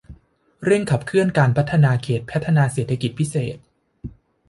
เร่งขับเคลื่อนการพัฒนาเขตพัฒนาเศรษฐกิจพิเศษ